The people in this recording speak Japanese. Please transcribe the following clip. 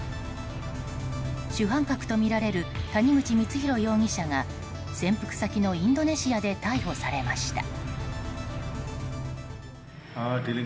主犯格とみられる谷口光弘容疑者が潜伏先のインドネシアで逮捕されました。